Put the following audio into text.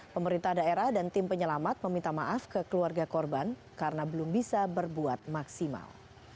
pemerintah daerah dan tim penyelamat meminta maaf ke keluarga korban karena belum bisa berbuat maksimal